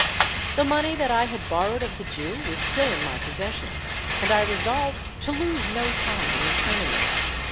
"The money that I had borrowed of the Jew was still in my possession; and I resolved to lose no time in returning it.